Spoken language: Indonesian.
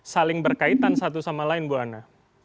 saling berkaitan satu sama lain bu anna